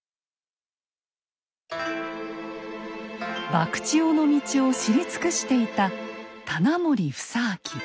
博打尾の道を知り尽くしていた棚守房顕。